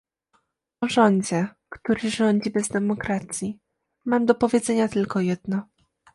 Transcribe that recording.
O rządzie, który rządzi bez demokracji, mam do powiedzenia tylko jedno